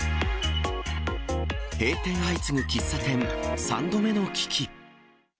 閉店相次ぐ喫茶店、３度目の危機。